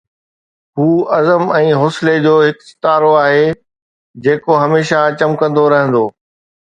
هو عزم ۽ حوصلي جو هڪ استعارو آهي، جيڪو هميشه چمڪندو رهندو